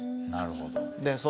なるほど。